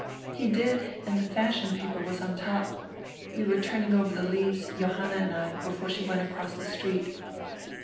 "He did, and die fashion paper was on top. We were turning over die leaves, Johanna and I, before she went across the street.